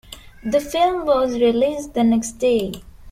The film was released the next day.